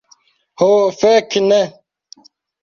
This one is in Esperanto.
Ho, fek, ne!